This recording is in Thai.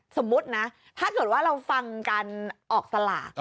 สมมุตินะถ้าเกิดว่าเราฟังการออกสลาก